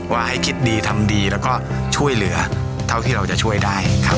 ว่าให้คิดดีทำดีแล้วก็ช่วยเหลือเท่าที่เราจะช่วยได้ครับ